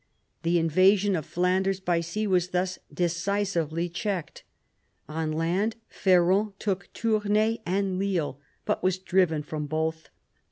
The invasion of Flanders by sea was thus decisively checked. On land Ferrand took Tournai and Lille, but was driven from both.